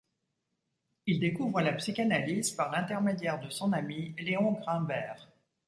Il découvre la psychanalyse par l'intermédiaire de son ami, León Grinberg.